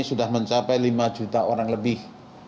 sudah mencapai lima juta orang lebih